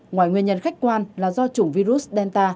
ngoài nguyên nhân khách quan là do chủng virus delta